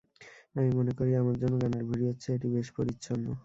আমি মনে করি, আমার অন্য গানের ভিডিওর চেয়ে এটি বেশ পরিচ্ছন্ন।